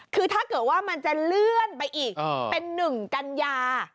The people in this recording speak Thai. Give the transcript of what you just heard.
หรือว่ามันจะเลื่อนไปอีกเป็นหนึ่งกัญญา